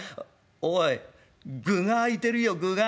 おいグが空いてるよグが。